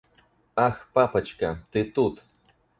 Ах, папочка, ты тут.